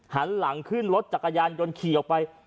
หันหลังขึ้นรถจักรยานยนต์ขี่ออกไป